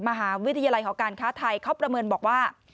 มหาวิทยาลัยหอการค้าไทยเขาประเมินบอกว่า